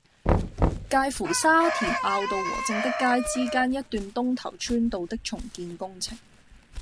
介乎沙田坳道和正德街之間一段東頭村道的重建工程